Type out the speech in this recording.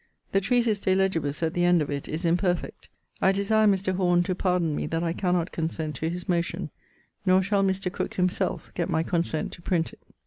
'The treatise De Legibus (at the end of it) is imperfect. I desire Mr. Horne to pardon me that I cannot consent to his motion; nor shall Mr. Crooke himselfe get my consent to print it.